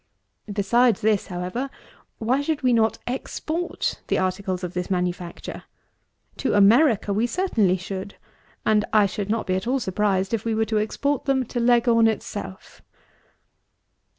Besides this, however, why should we not export the articles of this manufacture? To America we certainly should; and I should not be at all surprised if we were to export them to Leghorn itself.